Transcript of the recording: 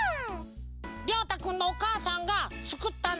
りょうたくんのおかあさんがつくったんだって！